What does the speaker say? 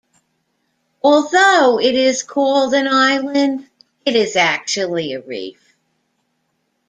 Although it is called an island, it is actually a reef.